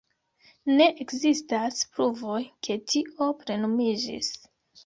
Ne ekzistas pruvoj, ke tio plenumiĝis.